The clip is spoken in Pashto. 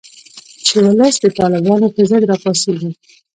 چې ولس د طالبانو په ضد راپاڅیږي